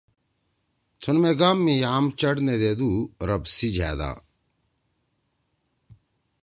تُھون مے گام می یام چڑ نے دیدُو ربّ سی جھأدا